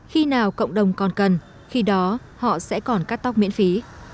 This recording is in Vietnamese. khi nào cộng đồng còn cần khi đó họ sẽ còn cắt tóc miễn phí